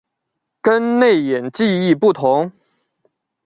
跟内隐记忆不同。